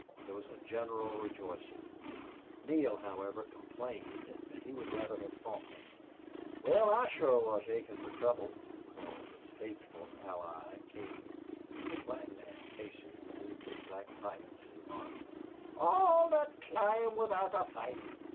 There was a general rejoicing. Neale, however, complained that he would rather have fought them. "Wal, I shore was achin' fer trouble," drawled his faithful ally, King. The flagman, Casey, removed his black pipe to remark, "All thet cloimb without a foight."